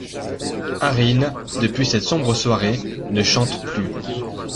Areen, depuis cette sombre soirée, ne chante plus.